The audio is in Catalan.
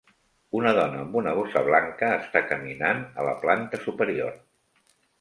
Una dona amb una bossa Blanca està caminant a la planta superior